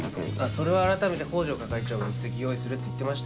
それはあらためて北条係長が一席用意するって言ってましたよ。